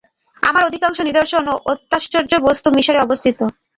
আমার অধিকাংশ নিদর্শন ও অত্যাশ্চর্য বস্তুসমূহ মিসরে অবস্থিত।